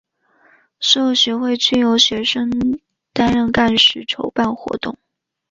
所有学会均由学生担任干事筹办活动。